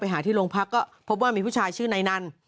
หาที่โรงพักก็พบว่ามีผู้ชายชื่อนายนัน